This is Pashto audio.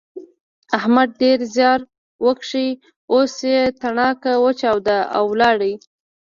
احمد ډېر زیار وکيښ اوس يې تڼاکه وچاوده او ولاړ.